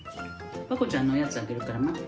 パコちゃんのおやつあげるから待って。